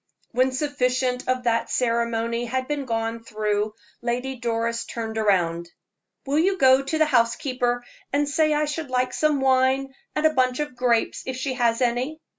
When sufficient of that ceremony had been gone through, Lady Doris turned round: "Will you go to the housekeeper and say I should like some wine and a bunch of grapes, if she has any?"